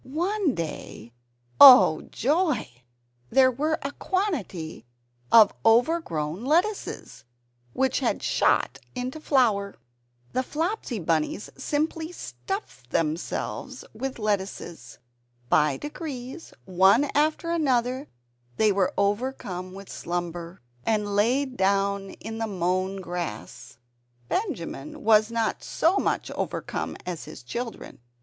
One day oh joy! there were a quantity of overgrown lettuces, which had "shot" into flower. The Flopsy Bunnies simply stuffed themselves with lettuces. By degrees, one after another, they were overcome with slumber, and lay down in the mown grass. Benjamin was not so much overcome as his children.